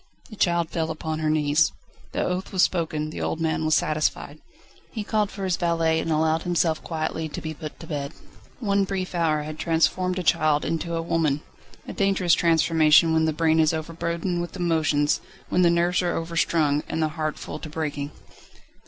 The child fell upon her knees. The oath was spoken, the old man was satisfied. He called for his valet, and allowed himself quietly to be put to bed. One brief hour had transformed a child into a woman. A dangerous transformation when the brain is overburdened with emotions, when the nerves are overstrung and the heart full to breaking.